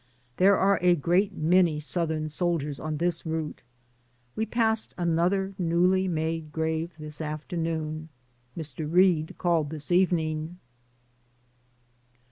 There are a great many Southern soldiers on this route. We passed another newly made grave this afternoon. Mr. Reade called this evening.